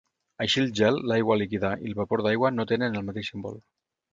Així el gel, l'aigua líquida i el vapor d'aigua no tenen el mateix símbol.